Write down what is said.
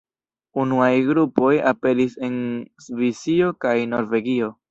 Unuaj grupoj aperis en Svisio kaj Norvegio.